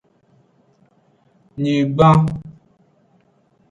Nyigban.